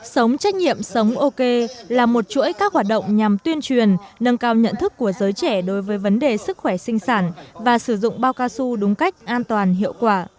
sống trách nhiệm sống ok là một chuỗi các hoạt động nhằm tuyên truyền nâng cao nhận thức của giới trẻ đối với vấn đề sức khỏe sinh sản và sử dụng bao cao su đúng cách an toàn hiệu quả